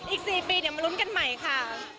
อีก๔ปีเดี๋ยวมาลุ้นกันใหม่ค่ะ